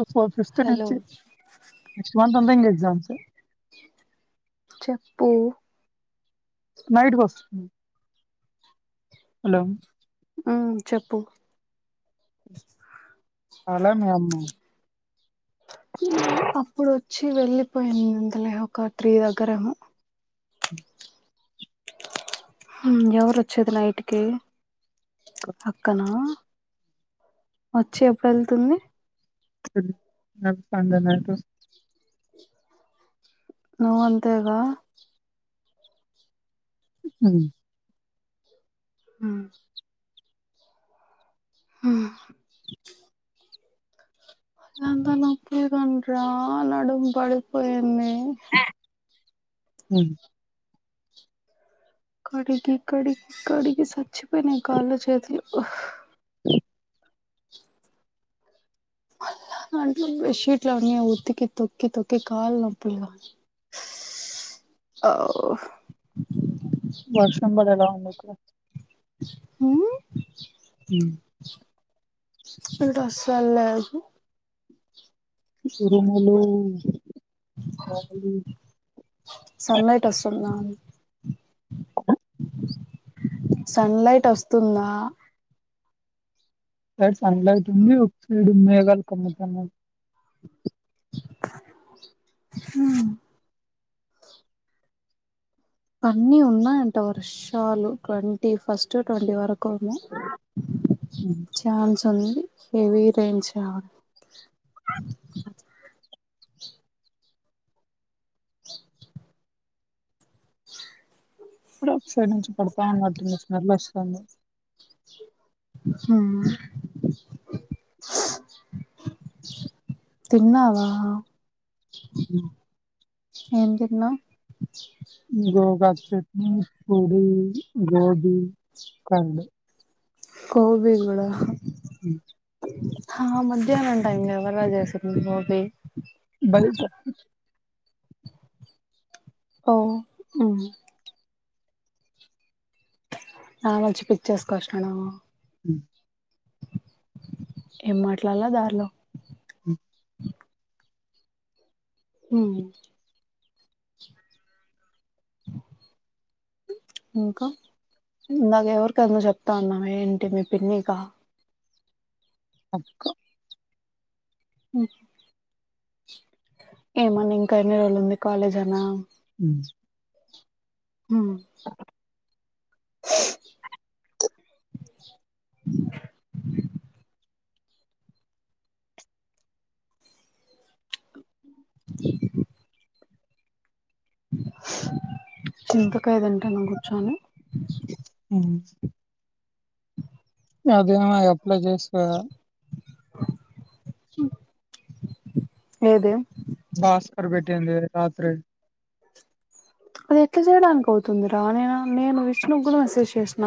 అ four fifth hello నుంచి next month అంతా ఇంగ ఎగ్జామ్సే చెప్పు నైట్ కోస్ హలో ఆ చెప్పు అలానే అమ్మ [inaudible] లే అప్పుడు ఒచ్చి వెళ్ళిపోయింద్ లె ఒక త్రీ దగ్గరేమో [inaudible] ఇం ఎవరోచ్చేది నైట్కి అక్కనా ఒచ్చి ఎప్పుడుఎల్తుంది [unintelligible] నువ్ అంతేగా ఉ ఉ ఉ అంత నొప్పి దెండ్రా నడుము పడిపోయింది కడిగి కడిగి కడిగి సచ్చిపొయ్నయ్ కాళ్లు చేతులు [inaudible] అంట్లు బెడ్షీట్లు అని ఉత్తికి తొక్కి తొక్కి కాల్ నొప్పుల్ ఔ వర్షం బడేల ఉంది ఇకడ ఉ ఉ ఇడ ఒస్తలేదు ఉరుములు [unintelligible] సన్లైట్ [inaudible] సన్లైట్ ఒస్తుందా సన్లైట్ ఉంది అటు సైడ్ మేఘాలు ఖమ్ముతన్నాయ్ ఉ అన్నీ ఉన్నాయ్ అంట వర్షాలు ట్వంటీ ఫస్ట్ ట్వంటీ వరకొన్నయ్ చాన్స్ ఉంది హేవి రెన్స్అ ఇప్పుడే ఒక సైడ్ నుంచి పడతా ఉన్నట్టుంది. స్మెల్ ఒస్తాంది. హు తిన్నావా [inaudible] ఏం దిన్నవ్ గోగాకు చట్నీ పూరీ గోబి కర్డ్ కోబి గుడ హమ ధ్యానం టైంగ ఎవరో చేసింది గోబి బయ్ టా ఓ ఉ [unintelligible] [inaudible] ఏం మాట్లాల దార్లో [inaudible] ఉ ఇంక ఇందాక ఎవరికొఎందో చెప్త అన్నమె ఏంటి మీ పిన్నికా అక్క మ్ ఏమని ఇంక ఎన్ని రోజులు ఉంది కాలేజనా హ చింతకాయ తింటానా గుచ్చొని అదేమయ్యే అప్లై జేస్కోదా ఏదే భాస్కర్ పెట్టేంది రాత్రి అది ఎట్లా చేయడానికవుతుందిరా నేన నేను విష్ణుగూడా మెసేజ్ చేసిన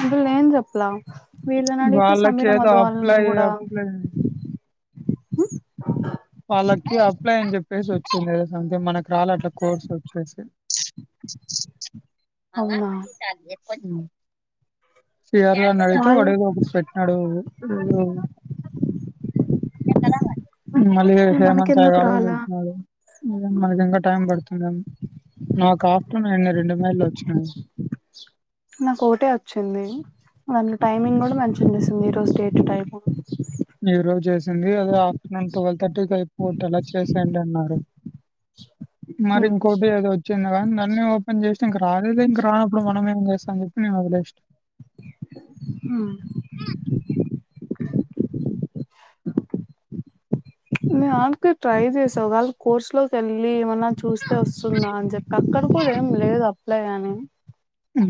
ఇందుల్ నే ఏం జెప్పల వీళ్ళ నడితే వాళ్ళకి సమీర ఏదో అప్లై మడువళ్లను గూడా అప్లై మ్మ్ వాళ్ళకి అప్లై అని జేప్పేసి ఓచ్చింది ఏదో సమ్థింగ్ మనకి రాలే అట్లా కోడ్స్ ఓచ్చేసి అవునా [unintelligible] శ్రీహరిగన్ని అడిగితే వాళ్ళు వాడేదొకటి పెట్టినాడు మళ్ళీ హేమంత్ మనకెందుకు గాడు రాలా పెట్నాడు మనకింకా టైం పడుతుందని నాకు ఆఫ్టర్నూన్ నిన్న రెండు మెల్ నా కోటే ఓచ్చింది అం టైమింగ్ గూడా మంచి అనేస్తుంది ఈ రోజు డేటు టైమ్ ఈ రోజు చేసింది అది ఆఫ్టర్నూన్ టువెల్ థర్టీకి అయిపోగొట్టెల చేసేయండి అన్నారు మరి ఇంకోటి ఏదో ఓచ్చింది గదా నన్నే ఓపెన్ చెస్ ఇంక రాలేదె ఇంక రానప్పుడు మనం ఏం జేస్తా అని చెప్పి నెన్ ఒదిలేషిన అహ నాక్ ట్రై చేసా ఒగళ కోర్స్ లోకేళ్ళి ఏమ నా చూస్తే ఓస్తుందా అని చేప్పి అక్కడ కూడా ఏం లేదు అప్లై అని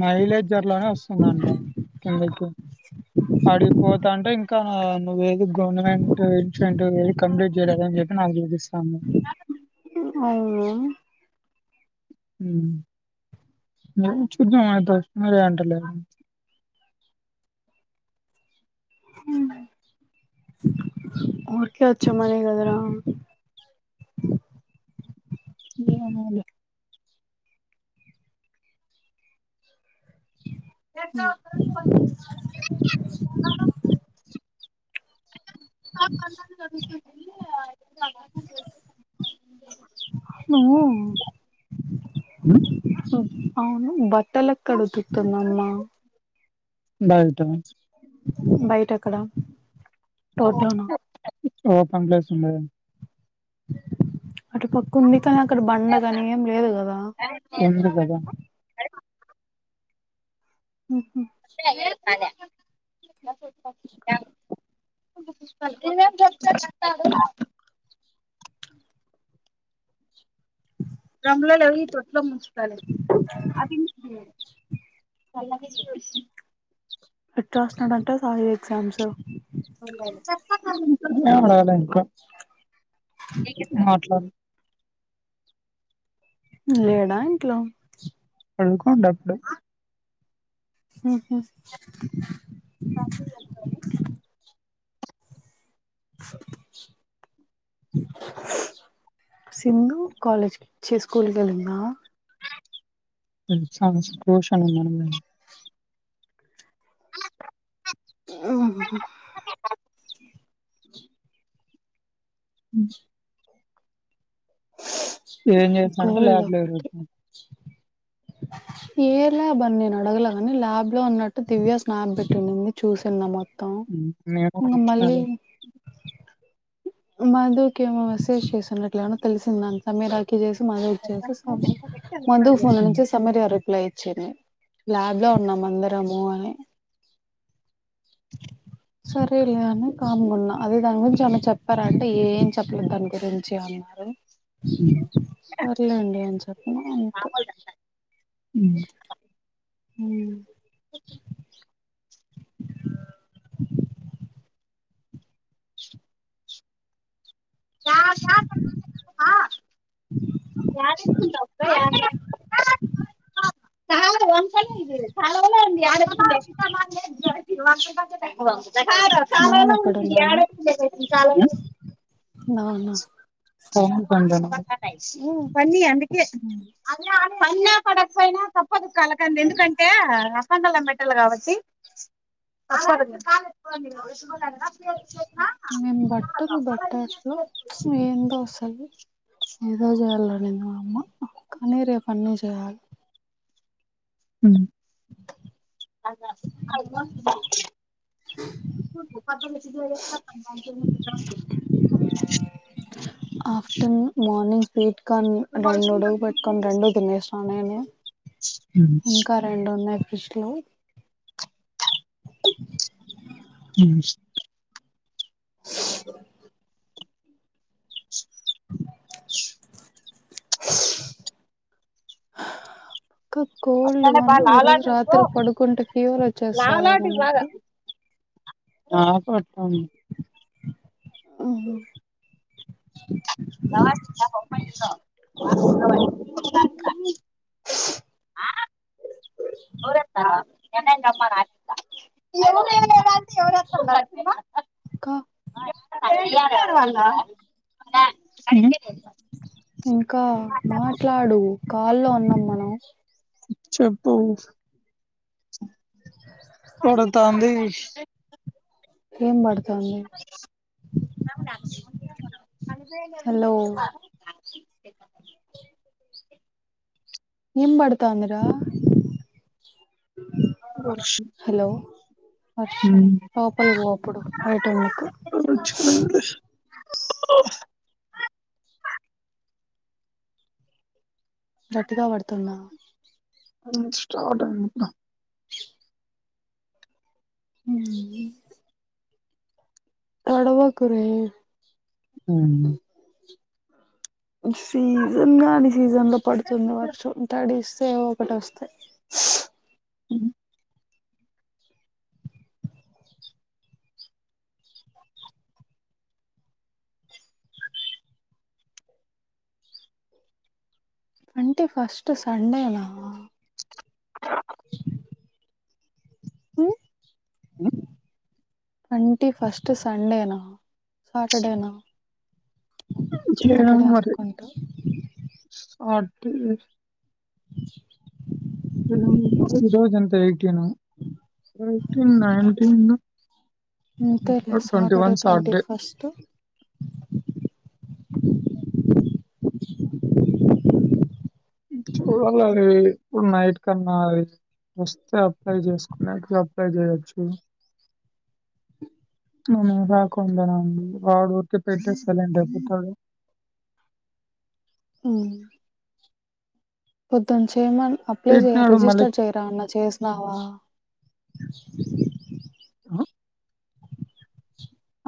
మైలేజ్ర్ అట్లానే ఓస్తుందంట కిందకి పడిపోతంటే ఇం కా నువ్వేద్ దుక్ గవర్నమెంటు ఇన్స్టిట్యూట్ కంప్లీట్ జేయలేదని జేప్పి నాకు చూపిస్థంది అవున మ్మ్ చుద్ధం [unintelligible] లే మ్మ్ ఆర్కే ఒచ్చే మనే కదరా ఏమొలే [unintelligible] నువ్వు ఉమ్. సుబ్ అవును బట్టలెక్కడుతుకుతుంది అమ్మా బైటనే బయటేక్కడ తోట్లోనా ఓపెన్ ప్లేస్ ఉండే అటు పక్కుంది కానీ అక్కడ బండ గనీ ఏం లేదు గదా ఉంది కదా మ్మ్ [unintelligible] ఇంగేన్ జెప్తారా తాడు డ్రమ్లల్లై తొట్లో ముంచుకాలి అది [unintelligible] ఎట్టరాస్తూన్నడాంట సాయి ఎగ్జామ్స్ ఏం కాలే ఇంకా మట్లాడిన. నేనా ఇంట్లో. పండుకోంటప్పుడు అహ సింధు కాలేజ్కి చ్చీ స్కూల్కెళ్ళిందా. ఉమ్ ఎగ్జామ్ ట్యూషన్ పోయిందాండి. ఉమ్. ఉమ్. ఏం చేసినారంటే కోల్డ్ ల్యాబ్ లో. ఒకటి [unintelligible] ఏ ల్యాబ్ అని నేను అడగలే గాని ల్యాబ్ లో ఉన్నట్టు దివ్య స్నాప్ పెట్టింది చూ. స్తున్నమా. ఉమ్ నేను వచ్చినాడు. మాధుకేమో మెసేజ్ చేస్తున్నట్టుగానో తెలిసిందంట మీరాట్లా చేస్. మదే చేసి [unintelligible] మదు ఫోన్ల ఉమ్. నుంచి సమీర రిప్లై ఇచ్చింది. లాబ్ లో ఉన్నాం అందరము అని. సరేలే అని కామ్ గున్నా అదే దాని గురించి ఆమె చెప్తారంటే ఏం చెప్పలేదు దాని గురించి ఆమె. సరే సరలేండీ ఏం చెప్పిన అంతె. ఉమ్. ఉమ్. ఆహ్ సార్ ఆహ్. [inaudible] నాన్న ఎక్కడున్నాడు [inaudible] నాన్న ఉమ్ అందుకే [unintelligible] పడినా పడకపోయినా తప్పదు కలకండే ఎందుకంటే. కండలం మెట్టేలం కాబట్టి. మేము బట్టకు బట్ట చూ. ప్చ్ ఏందో అసలు ఈరోజే చేయాలనిందా మా అమ్మ. కాని రేపన్న చేయాలి. ఉమ్. [inaudible] Afternoon mornings wait. కాని రెండు వడలు పెట్టుకొని రెండు తినేస్నా నేనే. ఇంకా రెండు ఉన్నాయి ఫిజ్ లో. ఛ్. ఇంకా కోల్డ్ గానీ ఈరోజు రాత్రి పడుకుంటే ఫీవర్ వచ్చేస్తదెమో నాకి. నాకు వస్తాంది. ఉమ్ హు. సవా చెలా పైస [unintelligible] చ్. ఊరంతా మీ అన్నయ్యను తెమ్మను ఆయింత. ఎవరూ లేరు అంటే ఎవరు వస్తారు ఇంకా [unintelligible] [unintelligible] ఇంకా మాట్లాడు కాల్లో ఉన్నాం మనం చెప్పు కొడతాంది ఏం బడు. [unintelligible] ఎంత అంటే. ఆహ్. ఎం బడతంది రా వర్షం వర్షం లోపలికి పో అప్పుడు బయటుండకు [inaudible] గట్టిగా పడుతుందా స్టార్ట్ అంట ఊ ఉ తడవకురే ఉమ్ సీజన్ గాని సీజన్ లో పడుతుంది వర్షం తడిస్ ఏవో ఒకటస్తయ్ ఉమ్ అంటే ఫస్ట్ సండేనా ఉ అంటే ఫస్ట్ సండేనా సాటర్డేనా చూడాలా సాటర్డే మరి అనుకుంటా సాటర్డే ఈరోజు ఈరోజ్ ఎంత ఎయిటీన్ ఎయిటీన్ నైన్టీన్ అంతేలే twenty Saturday one twenty Saturday first చూడాల అది ఇప్పుడు నైట్ కన్నా అది వస్తే అప్లై జేస్కున్నాక అప్లై జేయచ్చు. అవున రాకుండనా అండి రాకుంటే పెట్టేస్తే సైలెంట్ అయిపోతాడు ఉ పొద్దున్న చేమన్ అప్లై జే పెట్టినాడు మళ్ళీ రిజిస్టర్ చేయరా అన్న చేసినావా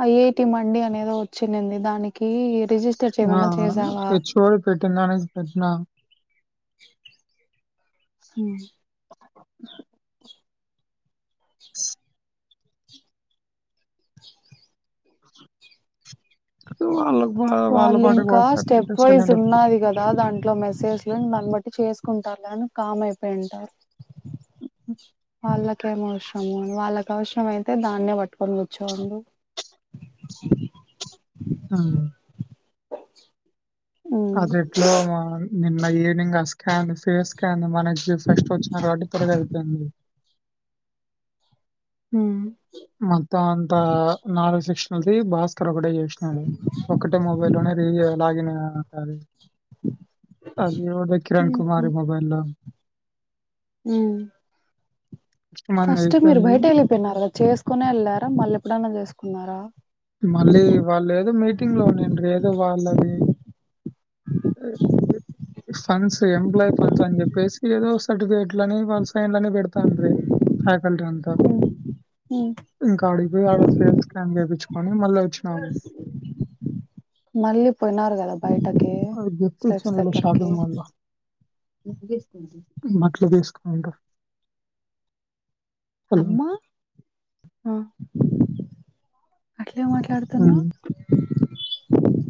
ఐఐటి మండి అనేదో వచ్చింది దాని కి రిజిస్టర్ ఆ! చేయమన్నా చేసావా హెచ్ఓడి పెట్టినదానికి పెట్టినా ఉ వాళ్ళకి వా వాళ్ళ పాటికి వాళ్ళింకా వాళ్ళు పెట్టి స్టెప్ వైజ్ సైలెంట్ అయిపోతారు. ఉన్నాది గదా దాంట్లో మెసేజ్ ఇట్లా దాన్ బట్టి చేస్కుంటారులే అని కామ్ అయిపోయింటారు. వాళ్ళకేం అవసరం వాళ్ళకి అవసరం అయితే దాన్నే పట్టుకొని కూర్చోండు ఆ ఉమ్ అదిట్లో నిన్న ఈవనింగ్ ఆ స్కాన్ సిస్కాన్ మనకి ఫస్ట్ వచ్చిన కాబట్టి త్వరగా అయిపోంది. హ మొత్తం అంత నాలుగు సెక్షన్ ది భాస్ క్రొగడే జేష్నారు ఒకటే మొబైల్లోనె రీజి లాగిన్గా ఒక్సారి. అది ఓడి కిరణ్ కుమారి మొబైల్లొ ఆ ఫస్ట్ మీరు బయటేళ్ళిపోయినారుగా చేస్కోనే వెళ్ళారా మళ్ళెప్పుడైన్నా జేస్కున్నారా మళ్ళీ వాళ్ళేదో మీటింగ్లో ఉన్నిండ్రి ఏదో వాళ్ళది. ఫండ్స్ ఎంప్లాయ్ ఫండ్సన్జెప్పేసి ఏదో సర్టిఫికెట్లనీ వా ఫైన్లని బెడ్తాండ్రి ఫ్యాకల్టి అంత. ఉమ్ ఉమ్ ఇంకాడిగ్ బొయ్ ఆడ ఫేస్కాన్ జేపిచ్చ్కొని మళ్ళొచ్చినాము. మళ్ళీ పొయ్నారు గద బైటకీ అది స్టెప్స్ దగ్గర్కి. [unintelligible] బట్లు దీస్కుంట అమ్మా అ అ ట్లె హ్మ్. మాట్లడ్తున్నావ్.